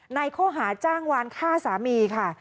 ในข้อหาจ้างวานฆ่าสามีค่ะ